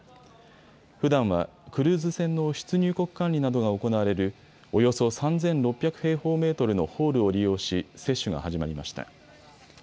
ふだんはクルーズ船の出入国管理などが行われるおよそ３６００平方メートルのホールを利用し、接種が始まりました。